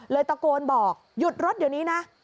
ตะโกนบอกหยุดรถเดี๋ยวนี้นะ